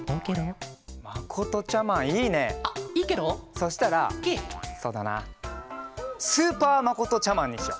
そしたらそうだなスーパーまことちゃマンにしよう。